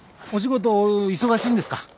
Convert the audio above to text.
お仕事忙しいんですか？